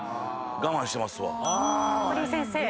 堀井先生。